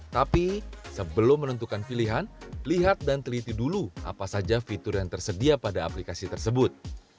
tapi sebelum menentukan pilihan lihat dan teliti dulu apa saja fitur yang tersedia pada aplikasi tersebut